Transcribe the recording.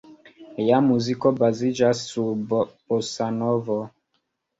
Lia muziko baziĝas sur bosanovo.